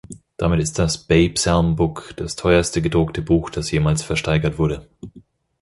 Damit ist das "Bay Psalm Book" das teuerste gedruckte Buch, das jemals versteigert wurde.